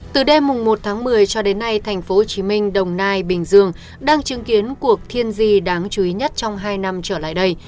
từ đêm một tháng một mươi cho đến nay thành phố hồ chí minh đồng nai bình dương đang chứng kiến cuộc thiên di đáng chú ý nhất trong hai năm trở lại đây